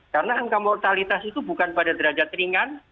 karena angka mortalitas itu bukan pada derajat ringan